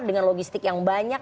dengan logistik yang banyak